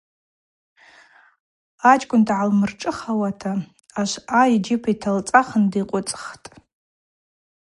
Ачкӏвын дгӏалмыршӏыхауата ашвъа йджьыпӏ йталцӏахын дикъвыцӏхтӏ.